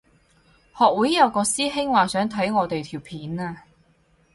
學會有個師兄話想睇我哋條片啊